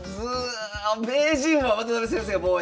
名人は渡辺先生が防衛。